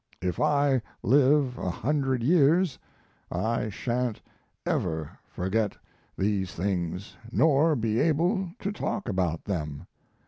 If I live a hundred years I sha'n't ever forget these things, nor be able to talk about them.